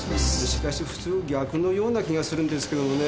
しかし普通逆のような気がするんですけどもね。